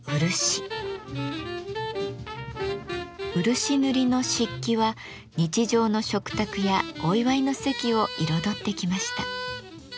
漆塗りの漆器は日常の食卓やお祝いの席を彩ってきました。